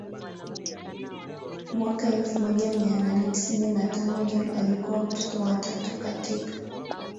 mwaka elfu moja mia nane tisini na tano John alikuwa mtoto wa tatu katika